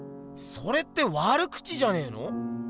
それって悪口じゃねえの？